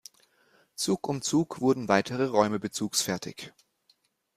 Zug um Zug wurden weitere Räume bezugsfertig.